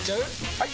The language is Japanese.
・はい！